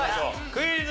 クイズ。